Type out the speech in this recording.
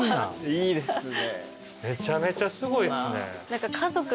いいですね。